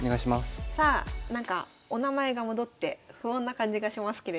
さあなんかお名前が戻って不穏な感じがしますけれども。